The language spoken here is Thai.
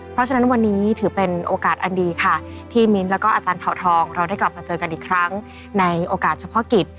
เพราะฉะนั้นวันนี้ถือเป็นโอกาสอันดีค่ะที่มิ้นแล้วก็อาจารย์เผาทองเราได้กลับมาเจอกันอีกครั้งในโอกาสเฉพาะกิจ